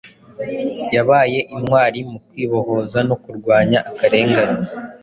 yabaye intwari mu kwibohoza no kurwanya akarengane